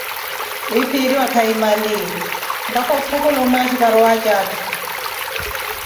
viiphiiriwa kahiye mali, mpaka ofukula omaasho para owaaja atthu.